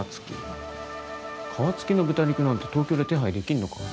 皮付きの豚肉なんて東京で手配できんのか？